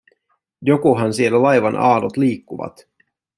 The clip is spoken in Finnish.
Jokohan siellä laivan aallot liikkuvat?